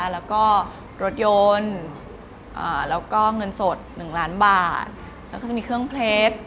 แล้วก็รถยนต์แล้วก็เงินสด๑ล้านบาทแล้วก็จะมีเครื่องเพชร